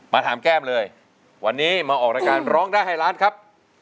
ถามแก้มเลยวันนี้มาออกรายการร้องได้ให้ล้านครับ